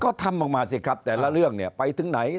ก็ทำมากสิครับแต่ละเรื่องไปถึงไหน